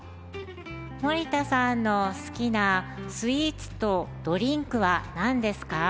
森田さんの好きなスイーツとドリンクは何ですか？